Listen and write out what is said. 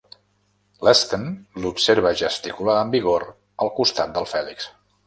L'Sten l'observa gesticular amb vigor al costat del Fèlix.